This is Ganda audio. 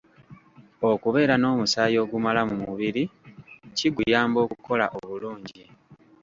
Okubeera n'omusaayi ogumala mu mubiri kiguyamba okukola obulungi.